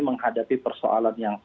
menghadapi persoalan yang terjadi